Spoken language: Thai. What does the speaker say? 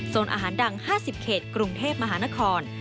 อาหารดัง๕๐เขตกรุงเทพมหานคร